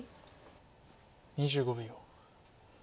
２５秒。